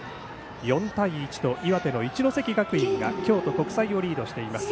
４対１と岩手の一関学院が京都国際をリードしています。